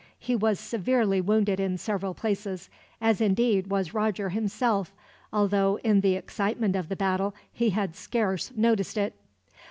He was severely wounded in several places; as indeed was Roger himself, although in the excitement of the battle he had scarce noticed it.